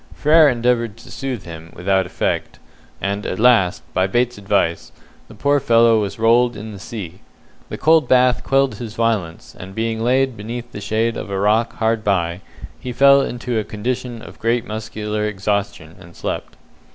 Frere endeavoured to soothe him, without effect; and at last, by Bates's advice, the poor fellow was rolled in the sea. The cold bath quelled his violence, and, being laid beneath the shade of a rock hard by, he fell into a condition of great muscular exhaustion, and slept.